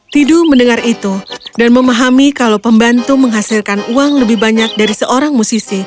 tidu mendengar itu dan memahami kalau pembantu menghasilkan uang lebih banyak dari seorang musisi